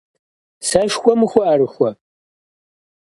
Сэшхуэм ухуэӀэрыхуэ?